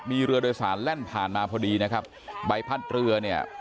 มีเรือโดยสารแล่นผ่านมาพอดีนะครับใบพัดเรือเนี่ย